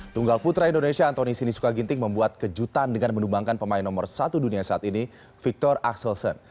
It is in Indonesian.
tunggal putra indonesia antoni sinisuka ginting membuat kejutan dengan menumbangkan pemain nomor satu dunia saat ini victor axelsen